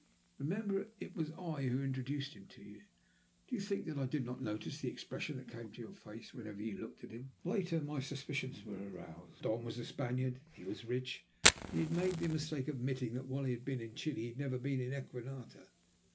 Remember it was I who introduced him to you! Do you think that I did not notice the expression that came into your face whenever you looked at him? Later my suspicions were aroused. The Don was a Spaniard, he was rich, and he had made the mistake of admitting that while he had been in Chili he had never been in Equinata.